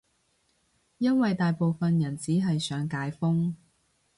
因爲大部分人只係想解封